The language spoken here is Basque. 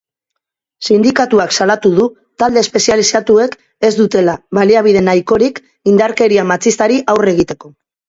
Sindikatuak salatu du talde espezializatuek ez dutela baliabide nahikorik indarkeria matxistari aurre egiteko.